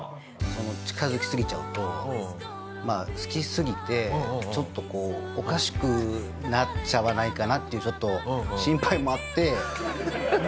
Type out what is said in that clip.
近づきすぎちゃうとまあ好きすぎてちょっとこうおかしくなっちゃわないかなっていうちょっと心配もあって。